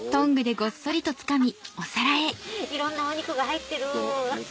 いろんなお肉が入ってる！